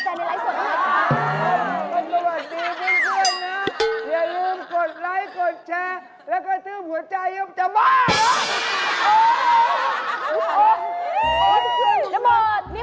เพราะถ้าโดนทำร้ายอาการหนักแบบนี้